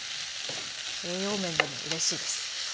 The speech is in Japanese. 栄養面でもうれしいです。